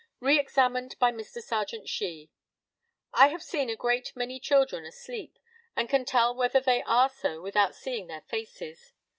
Re examined by Mr. Serjeant SHEE: I have seen a great many children asleep, and can tell whether they are so without seeing their faces.